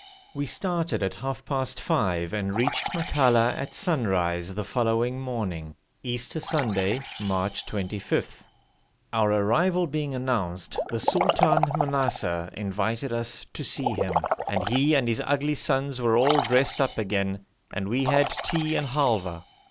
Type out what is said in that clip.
We started at half past five and reached Makalla at sunrise the following morning, Easter Sunday, March 25. Our arrival being announced, the Sultan Manassar invited us to see him, and he and his ugly sons were all dressed up again, and we had tea and halwa.